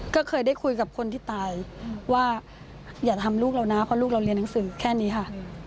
ก็เคยได้คุยกับคนที่ตายว่าอย่าทำลูกเรานะเพราะลูกเราเรียนหนังสือแค่นี้ค่ะ